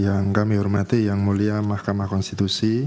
yang kami hormati yang mulia mahkamah konstitusi